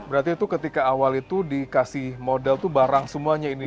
berarti itu ketika awal itu dikasih model tuh barang semuanya ini